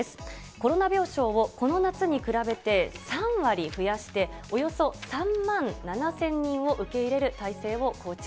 コロナ病床をこの夏に比べて３割増やして、およそ３万７０００人を受け入れる体制を構築。